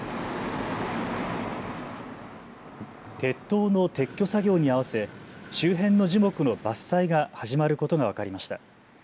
鉄塔の撤去作業に合わせ周辺の樹木の伐採が始まることが分かりました。